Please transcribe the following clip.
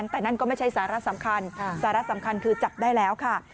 แต่นั่นก็ไม่ใช่สาระสำคัญสาระสำคัญคือจับได้แล้วค่ะ